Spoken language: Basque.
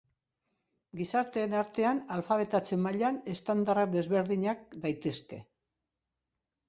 Gizarteen artean, alfabetatze mailen estandarrak desberdinak izan daitezke.